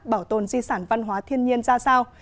bảo tồn di sản văn hóa thiên nhiên ra sao